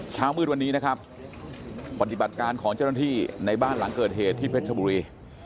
เช้ามืดวันนี้นะครับปฏิบัติการของเจ้าหน้าที่ในบ้านหลังเกิดเหตุที่เพชรชบุรี